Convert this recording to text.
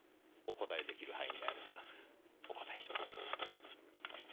お答えできる範囲であればお答えします。